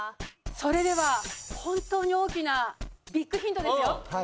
それでは本当に大きなビッグヒントですよ。